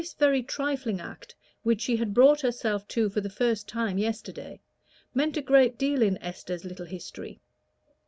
This very trifling act, which she had brought herself to for the first time yesterday, meant a great deal in Esther's little history.